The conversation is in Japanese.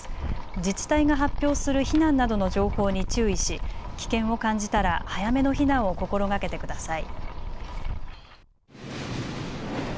自治体が発表する避難などの情報に注意し危険を感じたら早めの避難を心がけてください。